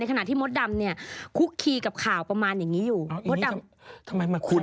ในขณะที่มดดำเนี่ยคุกคีกับข่าวประมาณอย่างนี้อยู่